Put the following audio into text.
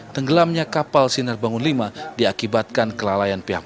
tenggelamnya kapal siner bangun v diakibatkan kelalaian pnr